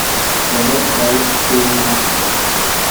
Robert dies soon after.